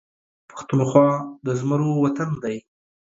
پښتونخوا زموږ وطن دی